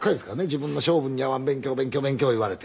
自分の性分に合わん勉強勉強勉強言われて。